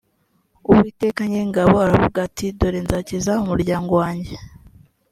uwiteka nyiringabo aravuga ati dore nzakiza umuryango wanjye